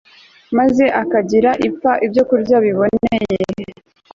maze akagirira ipfa ibyokurya biboneye